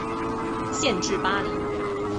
县治巴黎。